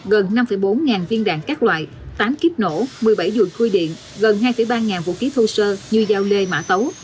gần năm bốn ngàn viên đạn các loại tám kiếp nổ một mươi bảy dùi khui điện gần hai ba ngàn vũ khí thô sơ như giao lê mã tấu